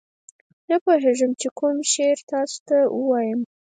نه پوهېږم چې کوم شعر تاسو ته ووایم.